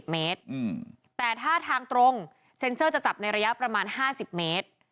เมตรแต่ถ้าทางตรงเซ็นเซอร์จะจับในระยะประมาณ๕๐เมตร